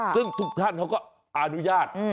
ซึ่งทุกท่านเขาก็อนุญาต